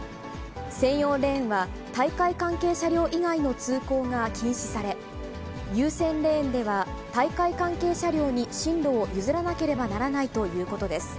専用レーンは、大会関係車両以外の通行が禁止され、優先レーンでは、大会関係車両に進路を譲らなければならないということです。